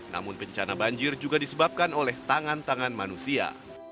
namun bencana banjir juga disebabkan oleh tangan tangan manusia